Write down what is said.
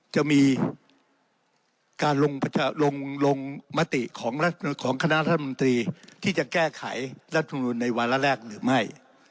จะมีการลงมติของคณะรัฐมนตรีที่จะแก้ไขรัฐมนุนในวาระแรกหรือไม่